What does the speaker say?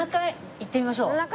行ってみましょう。